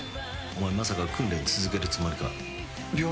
お前、まさか訓練、続けるつもりか？